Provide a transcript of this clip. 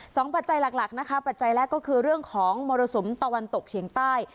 ปัจจัยหลักหลักนะคะปัจจัยแรกก็คือเรื่องของมรสุมตะวันตกเฉียงใต้